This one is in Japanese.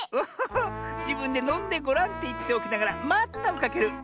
じぶんでのんでごらんっていっておきながらまったをかける。